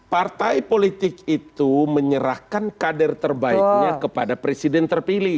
partai politik itu menyerahkan kader terbaiknya kepada presiden terpilih